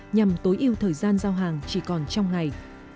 nhằm tối ưu thời gian giao hàng chỉ còn trong ngày